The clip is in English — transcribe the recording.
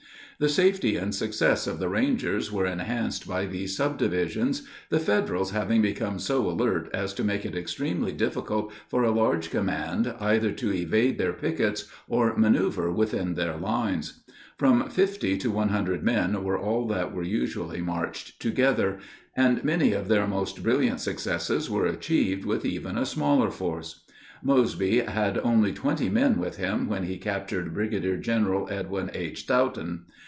The safety and success of the Rangers were enhanced by these subdivisions, the Federals having become so alert as to make it extremely difficult for a large command either to evade their pickets or manoeuver within their lines. From fifty to one hundred men were all that were usually marched together, and many of their most brilliant successes were achieved with even a smaller force. Mosby had only twenty men with him when he captured Brigadier General Edwin H. Stoughton.